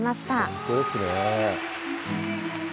本当ですね。